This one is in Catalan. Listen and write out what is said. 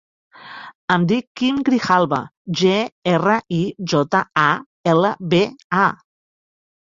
Em dic Quim Grijalba: ge, erra, i, jota, a, ela, be, a.